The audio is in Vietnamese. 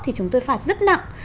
thì chúng tôi phạt rất nặng